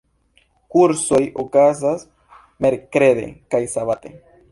Kursoj okazas merkrede kaj sabate.